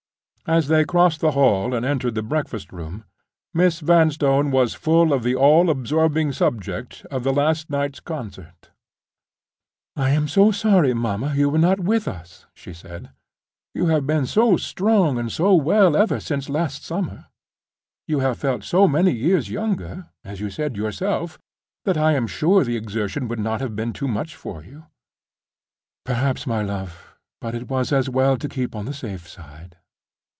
As they crossed the hall and entered the breakfast room, Miss Vanstone was full of the all absorbing subject of the last night's concert. "I am so sorry, mamma, you were not with us," she said. "You have been so strong and so well ever since last summer—you have felt so many years younger, as you said yourself—that I am sure the exertion would not have been too much for you." "Perhaps not, my love—but it was as well to keep on the safe side."